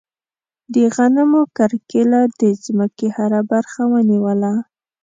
د غنمو کرکیله د ځمکې هره برخه ونیوله.